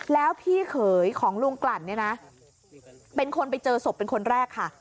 แล้วพี่เขยของลุงกลั่นเนี่ยนะเป็นคนไปเจอศพเป็นคนแรกค่ะ